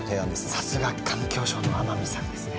さすが環境省の天海さんですね